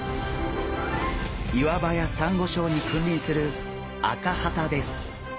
岩場やサンゴ礁に君臨するアカハタです。